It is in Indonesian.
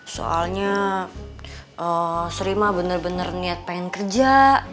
soalnya srimah bener bener niat pengen kerja